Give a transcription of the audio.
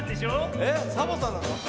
えっサボさんなの？